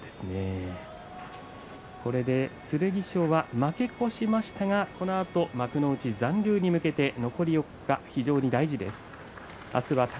これで剣翔は負け越しましたがこのあと幕内残留に向けて残り４日、非常に大事です。